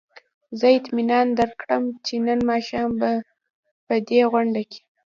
زه اطمینان درکړم چې نن ماښام به په دې غونډه کې.